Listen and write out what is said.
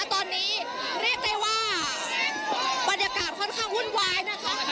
ตอนนี้เรียกได้ว่าบรรยากาศค่อนข้างวุ่นวายนะคะ